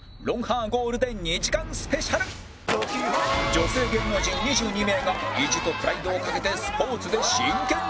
女性芸能人２２名が意地とプライドを懸けてスポーツで真剣勝負